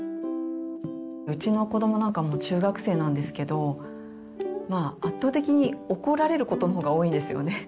うちの子どもなんかもう中学生なんですけどまあ圧倒的に怒られることの方が多いんですよね。